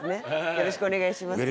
よろしくお願いします